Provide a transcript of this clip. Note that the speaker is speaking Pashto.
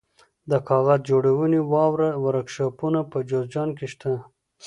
د کاغذ جوړولو واړه ورکشاپونه په جوزجان کې شته.